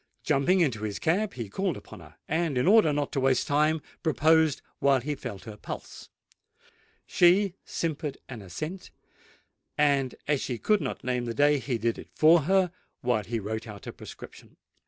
Jumping into his cab, he called upon her, and, in order not to waste time, proposed while he felt her pulse: she simpered an assent—and, as she could not name the day, he did it for her while he wrote out a prescription.